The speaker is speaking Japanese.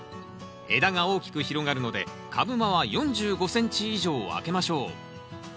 枝が大きく広がるので株間は４５ｃｍ以上空けましょう。